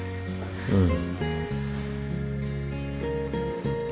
うん。